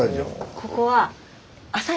ここはあ。